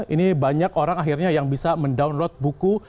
ini banyak orang akhirnya yang bisa mendownload buku